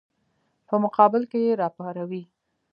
په مقابل کې یې راپاروي.